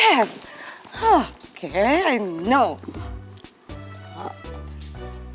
makasih banget ya udah nuangin aku lagi